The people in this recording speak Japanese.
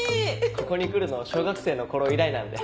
ここに来るの小学生の頃以来なんで。